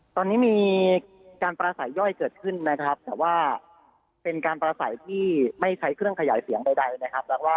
ตอนนี้มีการปราศัยย่อยเกิดขึ้นนะครับแต่ว่าเป็นการประสัยที่ไม่ใช้เครื่องขยายเสียงใดนะครับ